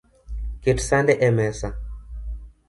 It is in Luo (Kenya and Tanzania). Ket sande emesa